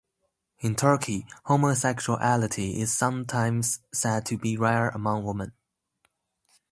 In Turkey, homosexuality is sometimes said to be rare among women.